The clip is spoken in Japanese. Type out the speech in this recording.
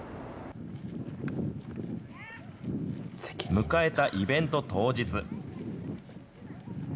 迎えたイベント当日。